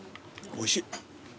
おいしい？